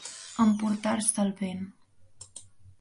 Emportar-se el vent.